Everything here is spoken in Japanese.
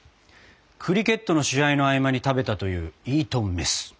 クリケットの試合の合間に食べたというイートンメス。